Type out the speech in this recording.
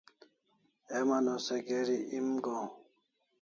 Heman o se geri em agohaw